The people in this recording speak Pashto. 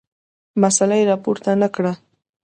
مسله راپورته نه کړه.